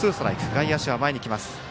外野手は前に来ます。